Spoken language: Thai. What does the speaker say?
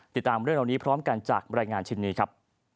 ติดตามเรื่องเหล่านี้พร้อมกันจากบรรยายงานชิ้นนี้ครับ